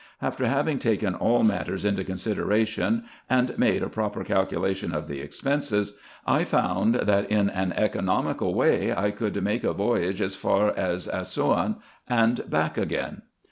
After having taken all matters into consideration, and made a proper calculation of the expenses, I found, that in an economical way I could make a voyage as far as Assouan and back again.